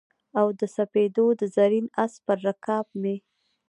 او د سپېدو د زرین آس پر رکاب مې